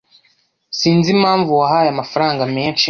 Sinzi impamvu wahaye amafaranga menshi.